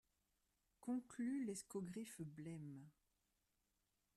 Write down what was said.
Conclut l'escogriffe blême.